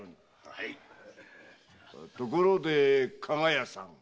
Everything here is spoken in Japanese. ところで加賀屋さん。